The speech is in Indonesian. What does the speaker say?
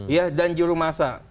ya dan jurumasa